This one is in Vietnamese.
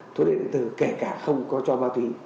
thuốc điện điện tử kể cả không có cho ma túy